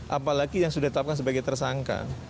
apalagi yang sudah ditetapkan sebagai tersangka